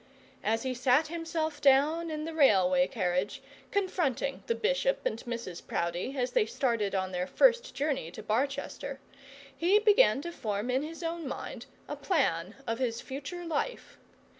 As he sat himself down in the railway carriage, confronting the bishop and Mrs Proudie, as they started on their first journey to Barchester, he began to form in his own mind a plan of his future life.